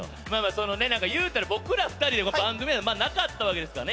そのねなんかいうたら僕ら２人で番組なかったわけですからね